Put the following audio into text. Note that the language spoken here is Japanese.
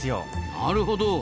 なるほど。